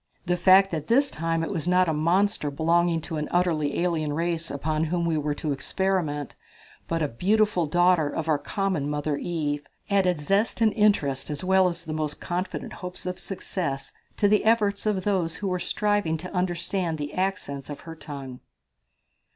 The fact that this time it was not a monster belonging to an utterly alien race upon whom we were to experiment, but a beautiful daughter of our common Mother Eve, added zest and interest as well as the most confident hopes of success to the efforts of those who were striving to understand the accents of her tongue.